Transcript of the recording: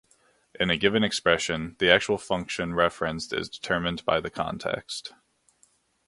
In a given expression, the actual function referenced is determined by the context.